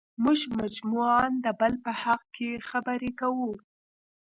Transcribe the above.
موږ مجموعاً د بل په حق کې خبرې کوو.